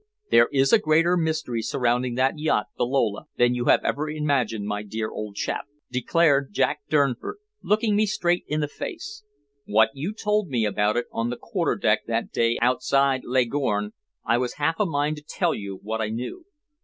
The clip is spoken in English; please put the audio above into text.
"There is a greater mystery surrounding that yacht, the Lola, than you have ever imagined, my dear old chap," declared Jack Durnford, looking me straight in the face. "When you told me about it on the quarter deck that day outside Leghorn, I was half a mind to tell you what I knew.